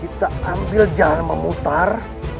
kita ambil jalan memutar